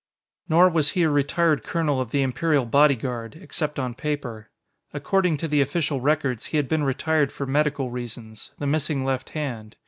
Nor was he a retired colonel of the Imperial bodyguard, except on paper. According to the official records, he had been retired for medical reasons the missing left hand.